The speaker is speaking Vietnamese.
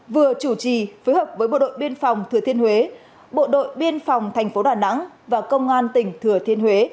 vừa chủ trì phối hợp với bộ đội biên phòng thừa thiên huế bộ đội biên phòng thành phố đà nẵng và công an tỉnh thừa thiên huế